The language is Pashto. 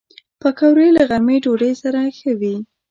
پکورې له غرمې ډوډۍ سره ښه وي